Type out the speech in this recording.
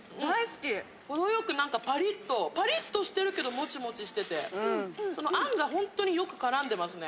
・程よくなんかパリッと・パリッとしてるけどもちもちしててその餡が本当によく絡んでますね。